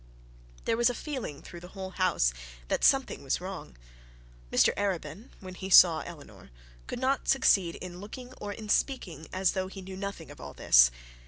There was a feeling through the whole house that something was wrong. Mr Arabin, when he saw Eleanor, could not succeed in looking or in speaking as though he knew nothing of all this.